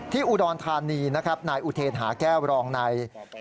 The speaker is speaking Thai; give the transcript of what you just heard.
อุดรธานีนะครับนายอุเทนหาแก้วรองนาย